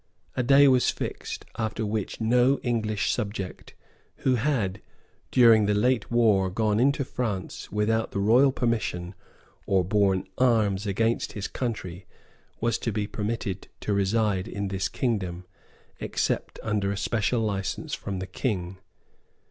A day was fixed after which no English subject, who had, during the late war, gone into France without the royal permission or borne arms against his country was to be permitted to reside in this kingdom, except under a special license from the King.